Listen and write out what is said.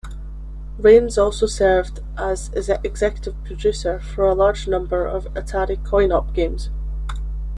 Rains also served as Executive Producer for a large number of Atari coin-op games.